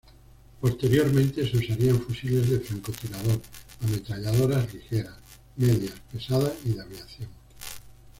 Posteriormente se usaría en fusiles de francotirador, ametralladoras ligeras, medias, pesadas y de aviación.